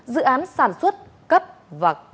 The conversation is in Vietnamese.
dự án sản xuất cấp và